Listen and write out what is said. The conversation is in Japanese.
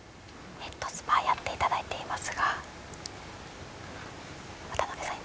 ヘッドスパやっていただいていますが渡部さん、